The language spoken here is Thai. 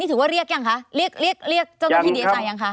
ทีนี้อีกกลุ่มนึงค่ะท่าน